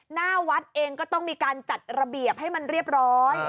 หน้าวัดเองก็ต้องมีการจัดระเบียบให้มันเรียบร้อย